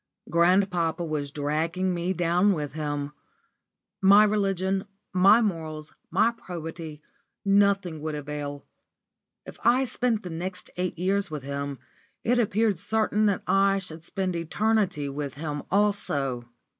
Grandpapa was dragging me down with him. My religion, my morals, my probity nothing would avail. If I spent the next eight years with him, it appeared certain that I should spend eternity with him also.